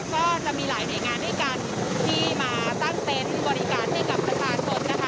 ก็จะมีหลายหน่วยงานด้วยกันที่มาตั้งเต็นต์บริการให้กับประชาชนนะคะ